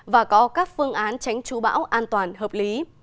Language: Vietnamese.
và có các phương án tránh trú bão an toàn hợp lý